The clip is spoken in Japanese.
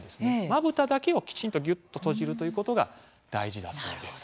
まぶただけをきちんとギュッと閉じるということが大事だそうです。